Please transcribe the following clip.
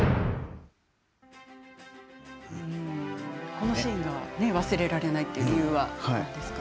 このシーンが忘れられないという理由は何ですか？